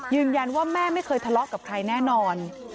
แม่ไม่เคยทะเลาะกับใครแน่นอน